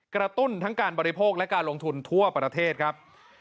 กระตุ้นทั้งการบริโภคและการลงทุนทั่วประเทศครับ